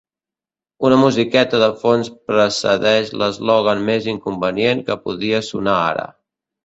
Una musiqueta de fons precedeix l'eslògan més inconvenient que podria sonar ara.